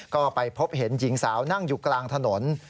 ก็ไปพบเห็นหญิงสาวนั่งอยู่กลางถนน